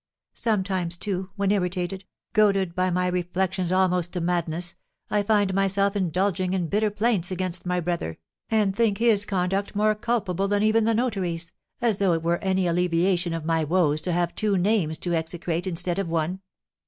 Sometimes, too, when irritated, goaded by my reflections almost to madness, I find myself indulging in bitter plaints against my brother, and think his conduct more culpable than even the notary's, as though it were any alleviation of my woes to have two names to execrate instead of one.